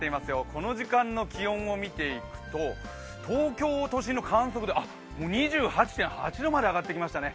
この時間の気温を見ていくと東京都心の観測でもう２８．８度まで上がってきましたね。